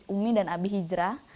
umi dan abi hijrah